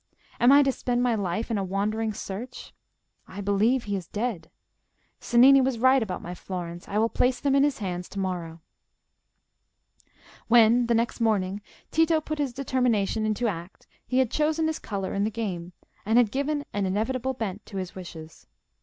Am I to spend my life in a wandering search? I believe he is dead. Cennini was right about my florins: I will place them in his hands to morrow." When, the next morning, Tito put this determination into act he had chosen his colour in the game, and had given an inevitable bent to his wishes.